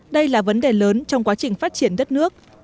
đây là vấn đề lớn trong quá trình phát triển đất nước